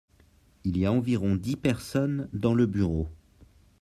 Il y a environ dix personnes dans le bureau.